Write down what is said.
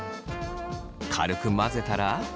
軽く混ぜたら。